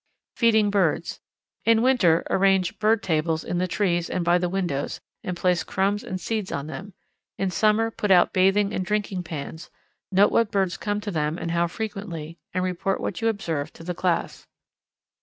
Feeding Birds. In winter arrange "bird tables" in the trees and by the windows, and place crumbs and seeds on them; in summer put out bathing and drinking pans, note what birds come to them and how frequently, and report what you observe to the class.